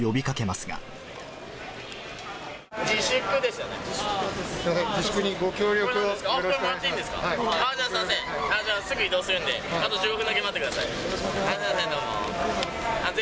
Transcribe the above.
すみません、すぐ移動するんで、あと１５分だけ待ってください。